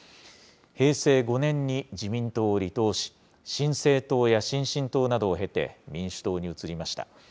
平成５年に自民党を離党し、新生党や新進党などを経て、民主党に移りました。